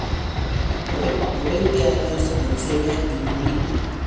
Por veinte años, enseña y pública.